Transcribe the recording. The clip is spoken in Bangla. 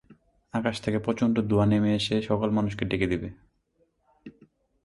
আকাশ থেকে প্রচণ্ড ধোঁয়া নেমে এসে সকল মানুষকে ঢেকে নিবে।